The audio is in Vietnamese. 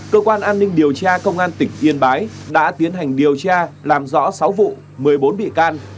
cơ quan an ninh điều tra công an tỉnh yên bái đã tiến hành điều tra làm rõ sáu vụ một mươi bốn bị can